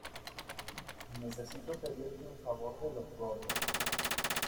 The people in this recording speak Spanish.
necesito pedirte un favor de los gordos.